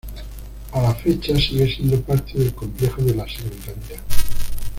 A la fecha sigue siendo parte del complejo de la Secretaría.